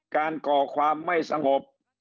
ก่อความไม่สงบ